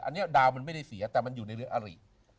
อันนี้ดาวมันไม่ได้เสียแต่มันอยู่ในเรืออาริ